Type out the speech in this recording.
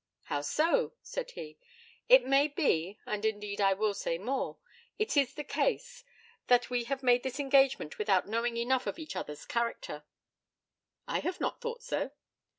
'How so?' said he. 'It may be and indeed I will say more it is the case that we have made this engagement without knowing enough of each other's character.' 'I have not thought so.'